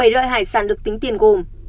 bảy loại hải sản được tính tiền gồm